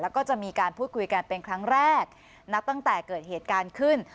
แล้วก็จะมีการพูดคุยกันเป็นครั้งแรกนับตั้งแต่เกิดเหตุการณ์ขึ้น